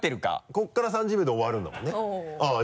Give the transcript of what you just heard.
ここから３０秒で終わるんだもんねあぁ